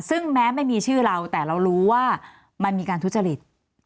ซึ่งแม้ไม่มีชื่อเราแต่เรารู้ว่ามันมีการทุจริต